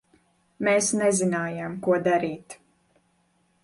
Mēs nezinājām, ko darīt.